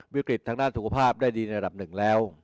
วิกฤตทางด้านสุขภาพได้ดีในระดับหนึ่งแล้ว